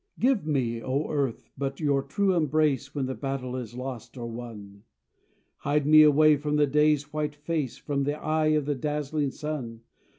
Give me, O Earth, but your true embrace, When the battle is lost or won. Hide me away from the day's white face, From the eye of the dazzling sun.